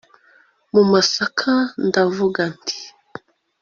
mu masaka ndavuga nti